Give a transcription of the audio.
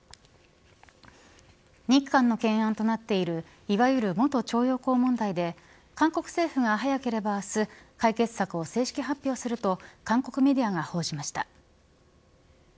日韓の懸案となっているいわゆる元徴用工問題で韓国政府が早ければ明日解決策を正式発表すると韓国メディアが報じました。